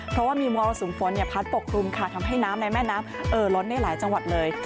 เพราะว่ามีมรสุมฝนพัดปกครุมค่ะทำให้น้ำในแม่น้ำเอ่อล้นในหลายจังหวัดเลย